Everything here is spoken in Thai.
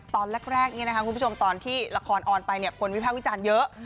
ตอนแรกนี้นะคะคุณผู้ชมตอนที่ละครออนไปคนวิพากษ์วิจารณ์เยอะ